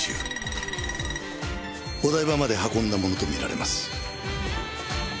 お台場まで運んだものとみられます。